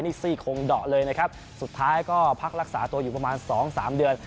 นี่ซี่โครงเดาะเลยนะครับสุดท้ายก็พักรักษาตัวอยู่ประมาณสองสามเดือน